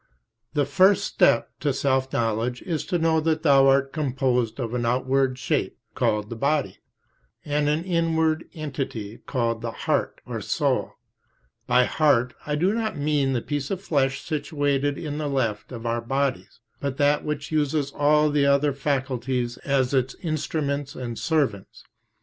21} The first step to self knowledge is to know that thou art composed of an outward shape, called the body, and an inward entity called the heart, or soul. By "heart" I do not mean the piece of flesh situated in the left of our bodies, but that which uses all the other faculties as its instruments and servants.